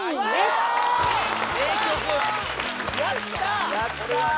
やったー！